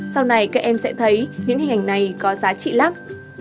sau này các em sẽ thấy những hình ảnh này có giá trị lắm